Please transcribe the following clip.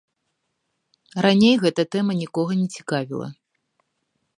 Раней гэта тэма нікога не цікавіла.